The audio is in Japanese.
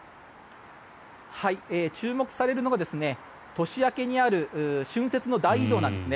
注目されるのが年明けにある春節の大移動なんですね。